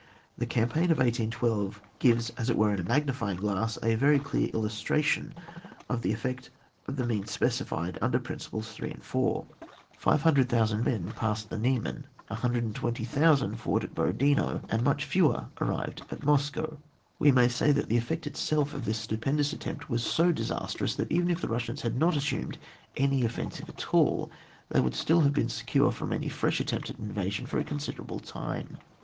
The campaign of 1812, gives as it were in a magnifying glass a very clear illus tration of the effect of the means speci fied under principles 3 and 4. 500,000 men passed the Niemen, 120,000 fought at Borodino, and much fewer arrived at Moscow. We may say that the effect itself of this stupendous attempt was so disastrous that even if the Kussians had not assumed any offensive at all, they would still have been secure from any fresh attempt at invasion for a considerable time.